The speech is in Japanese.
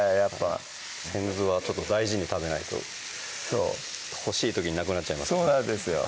仙豆はちょっと大事に食べないとそう欲しい時になくなっちゃいますそうなんですよ